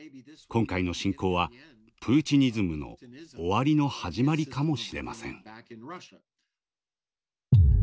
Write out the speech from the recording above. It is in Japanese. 今回の侵攻はプーチニズムの終わりの始まりかもしれません。